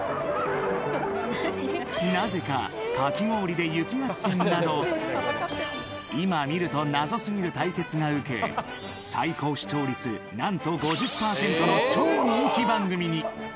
なぜか、かき氷で雪合戦など今見ると謎すぎる対決がウケ最高視聴率、なんと５０％の超人気番組に。